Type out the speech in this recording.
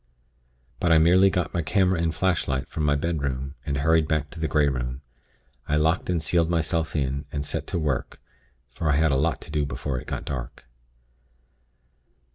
"But I merely got my camera and flashlight from my bedroom, and hurried back to the Grey Room. I locked and sealed myself in, and set to work, for I had a lot to do before it got dark.